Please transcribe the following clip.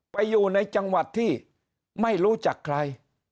ไปอยู่ในจังหวัดที่ไม่รู้จักใคร